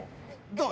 どう？